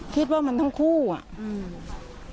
คิดว่ามันทั้งคู่อ่ะอืม